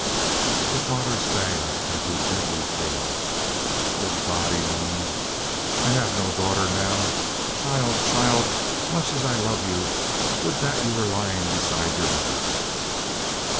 The father staggered and grew deadly pale. "O God," he moaned. "I have no daughter now. Child, child, much as I love you, would that you were lying beside your mother."